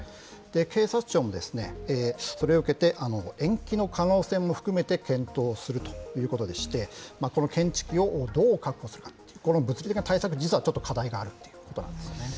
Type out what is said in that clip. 警察庁もそれを受けて、延期の可能性も含めて検討するということでして、この検知器をどう確保するか、この物理的な対策、ちょっと課題があるということなんですよね。